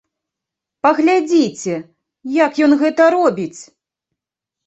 Паглядзіце, як ён гэта робіць!